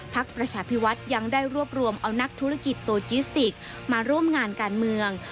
ประชาพิวัฒน์ยังได้รวบรวมเอานักธุรกิจโตจิสติกมาร่วมงานการเมือง